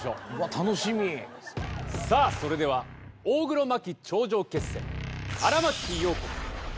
楽しみさあそれでは大黒摩季頂上決戦荒牧陽子か？